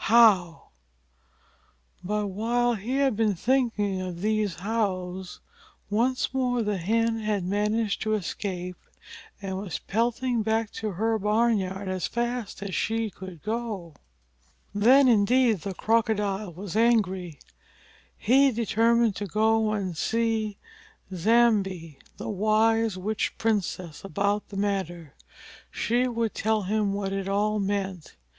How" but while he had been thinking of these hows, once more the Hen had managed to escape, and was pelting back to her barnyard as fast as she could go. Then indeed the Crocodile was angry. He determined to go and see Nzambi, the wise witch princess, about the matter. She would tell him what it all meant.